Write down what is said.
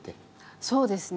そうですね。